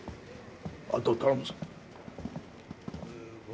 あと頼むぞ。